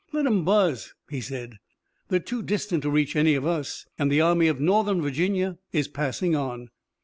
"Let 'em buzz," he said. "They're too distant to reach any of us, and the Army of Northern Virginia is passing on."